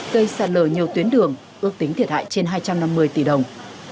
gây sạt lở nhiều tuyến đường ước tính thiệt hại trên hai trăm năm mươi tỷ đồng